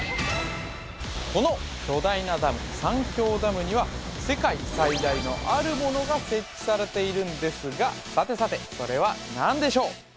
この巨大なダム三峡ダムには世界最大のあるものが設置されているんですがさてさてそれは何でしょう？